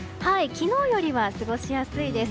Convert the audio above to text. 昨日よりは過ごしやすいです。